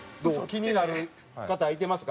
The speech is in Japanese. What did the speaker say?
気になる方いてますか？